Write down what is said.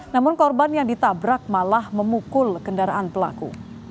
namun korban yang ditabrak malah memukul kendaraan pelaku